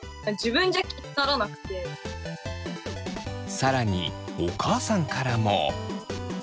更にお母さんからも。